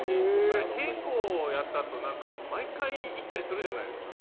稽古をやったあと毎回行ったりするじゃないですか。